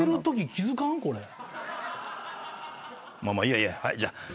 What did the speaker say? まあいいや。